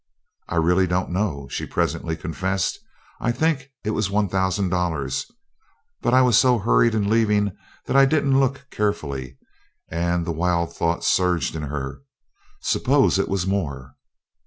"I really don't know," she presently confessed. "I think it was one thousand dollars; but I was so hurried in leaving that I didn't look carefully," and the wild thought surged in her, suppose it was more!